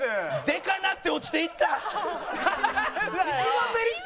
でかなって落ちていった。